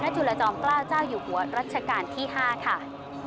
จุลจอมเกล้าเจ้าอยู่หัวรัชกาลที่๕ค่ะ